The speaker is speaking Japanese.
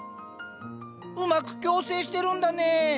うまく共生してるんだね。